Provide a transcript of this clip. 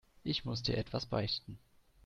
Ich muss dir etwas beichten.